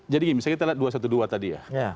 jadi misalnya kita lihat dua ratus dua belas tadi ya